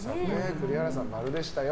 栗原さん、○でしたよ